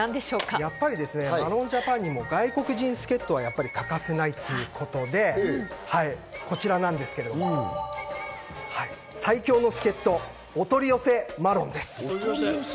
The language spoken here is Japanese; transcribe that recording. やっぱりマロンＪＡＰＡＮにも外国人助っ人は欠かせないということでこちらなんですけど、最強の助っ人、お取り寄せマロンです。